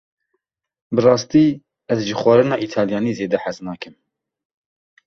Bi rastî ez ji xwarina Îtalyanî zêde hez nakim.